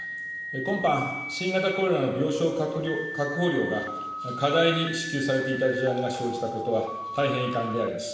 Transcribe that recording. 今般、新型コロナの病床確保料が過大に支給されていた事案が生じていたことは大変遺憾であります。